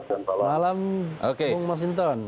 selamat malam bang mas hinton